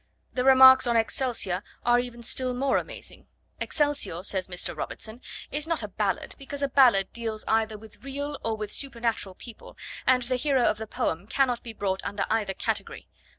The remarks on Excelsior are even still more amazing. Excelsior, says Mr. Robertson, is not a ballad because a ballad deals either with real or with supernatural people, and the hero of the poem cannot be brought under either category.